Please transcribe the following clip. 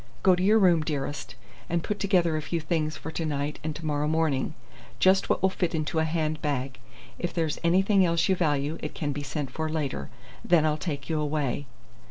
Go to your room, dearest, and put together a few things for to night and to morrow morning just what will fit into a hand bag. If there's anything else you value, it can be sent for later. Then I'll take you away."